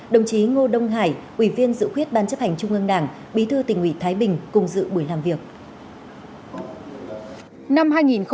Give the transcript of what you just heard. đồng chí ngô đông hải ủy viên dự khuyết ban chấp hành trung ương đảng bí thư tỉnh ủy thái bình cùng dự buổi làm việc